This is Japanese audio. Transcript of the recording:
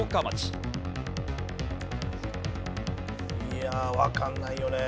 いやあわかんないよね。